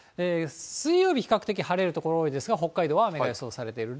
水曜日、比較的晴れる所が多いんですが、北海道は雨が予想されている。